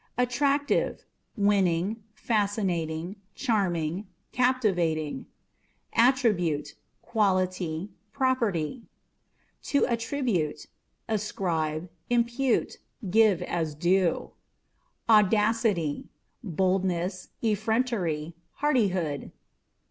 Attractive â€" winning, fascinating, charming, captivating. Attribute. â€" quality, property. To Attribute â€" ascribe, impute ; give as due. Audacity â€" boldness, effrontery, hardihood.